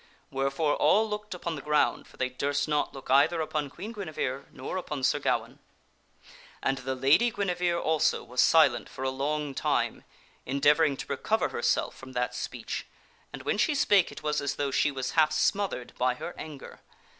Wherefore all looked upon the ground, for they durst not look either upon Queen Guinevere nor upon Sir Gawaine. And the Lady Guinevere, also, was silent for a long time, endeavoring to recover herself from that speech, and when she spake, it was as though she was half smothered by her anger.